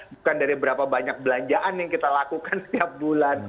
bukan dari berapa banyak belanjaan yang kita lakukan setiap bulan